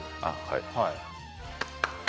はい。